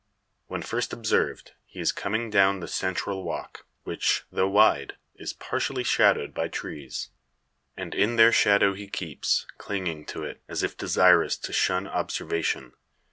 When first observed, he is coming down the central walk; which, though wide, is partially shadowed by trees. And in their shadow he keeps, clinging to it, as if desirous to shun observation.